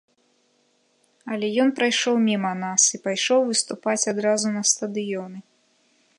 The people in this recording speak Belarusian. Але ён прайшоў міма нас і пайшоў выступаць адразу на стадыёны.